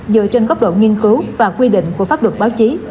dựa trên góc độ nghiên cứu và quy định của pháp luật báo chí